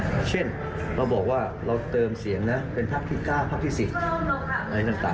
เป็นพักที่๙พักที่๑๐อะไรต่าง